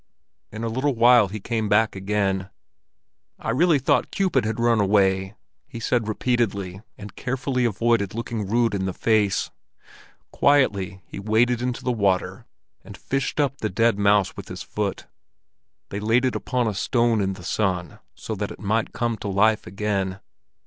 In a little while he came back again. "I really thought Cupid had run away," he said repeatedly, and carefully avoided looking Rud in the face. Quietly he waded into the water, and fished up the dead mouse with his foot. They laid it upon a stone in the sun, so that it might come to life again.